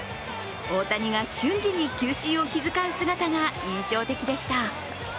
大谷が瞬時に球審を気遣う姿が印象的でした。